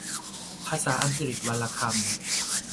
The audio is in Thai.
ภาษาอังกฤษวันละคำ